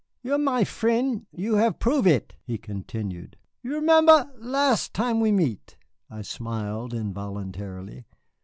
"You are my frien', you have prove it," he continued. "You remember las' time we meet?" (I smiled involuntarily.)